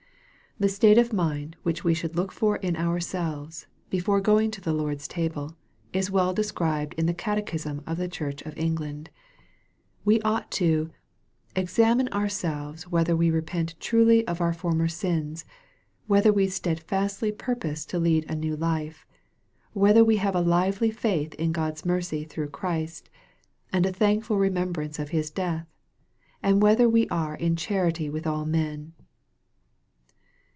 The state of mind which we should look for in ourselves, before going to the Lord's table, is well described in the Catechism of the Church of England. We ought to " ex amine ourselves whether we repent truly of our forinet sins whether we stedfastly purpose to lead a new life whether we have a lively faith in God's mercy through Christ and a thankful remembrance of His death and whether we are in charity with all men."